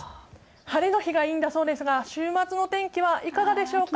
晴れの日がいいんだそうですが週末の天気はいかがでしょうか。